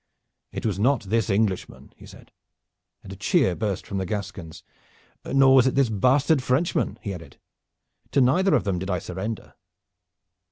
"It was not this Englishman," he said, and a cheer burst from the Gascons, "nor was it this bastard Frenchman," he added. "To neither of them did I surrender."